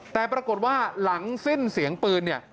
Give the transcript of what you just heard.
แต่ปรากฏว่าหลังสิ้นเสียงปืนเนี่ย